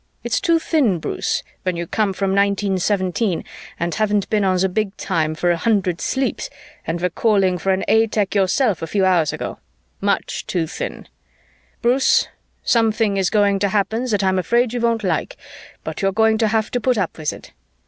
It's too thin, Bruce, when you come from 1917 and haven't been on the Big Time for a hundred sleeps and were calling for an A tech yourself a few hours ago. Much too thin. Bruce, something is going to happen that I'm afraid you won't like, but you're going to have to put up with it.